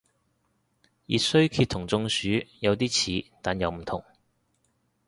熱衰竭同中暑有啲似但又唔同